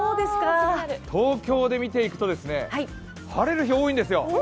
東京で見ていくと、晴れる日、多いんですよ。